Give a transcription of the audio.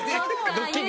ドッキリ。